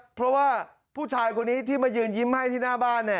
เพราะว่าผู้ชายคนนี้ที่มายืนยิ้มให้ที่หน้าบ้าน